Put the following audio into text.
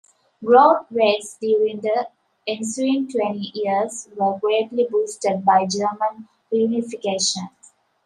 Growth rates during the ensuing twenty years were greatly boosted by German reunification.